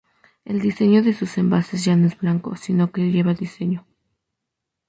El diseño de sus envases ya no es blanco, sino que lleva diseño.